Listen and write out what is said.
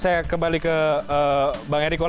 saya kembali ke bang ericko lagi